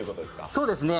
そうですね。